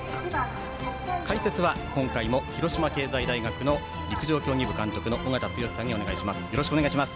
解説は今回も広島経済大学の陸上競技部監督の尾方剛さんにお願いします。